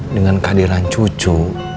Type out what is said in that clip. dengan kehadiran cucu